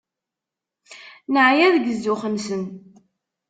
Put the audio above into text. Neɛya seg zzux-nsen.